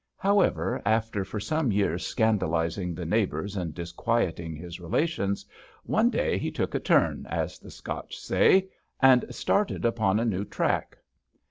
However, after for some years scandalising the neighbours and disquieting his relations, one day he took a turn, as the Scotch say, and started upon a new track.